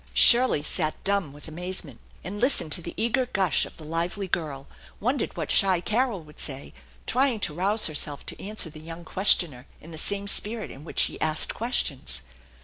Shirley sat dumb with amazement, and listened to the eager gush of the lively girl, wondered what shy Carol would say, trying to rouse herself to answer the young questioner in the same spirit in which she asked questions.